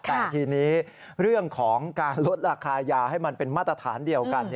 แต่ทีนี้เรื่องของการลดราคายาให้มันเป็นมาตรฐานเดียวกัน